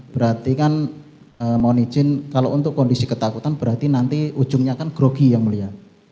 berarti kan mohon izin kalau untuk kondisi ketakutan berarti nanti ujungnya kan grogi yang mulia